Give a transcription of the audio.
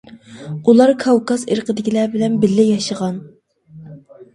ئۇلار كاۋكاز ئىرقىدىكىلەر بىلەن بىللە ياشىغان.